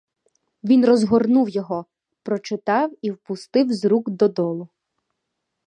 Він розгорнув його, прочитав і впустив з рук додолу.